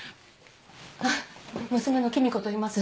あっ娘の喜美子といいます。